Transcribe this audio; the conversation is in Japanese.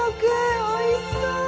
おいしそう！